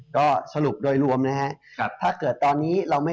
ก็สรุปโดยรวมนะฮะ